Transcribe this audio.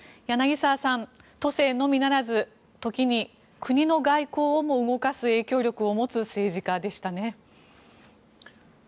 柳澤さん、都政のみならず時に国の外交をも動かす影響力を持つ政治家でしたね。